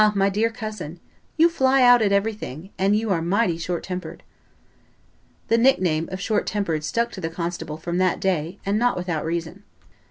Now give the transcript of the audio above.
my dear cousin, you fly out at everything, and you are mighty short tempered." The nickname of short tempered stuck to the constable from that day, and not without reason.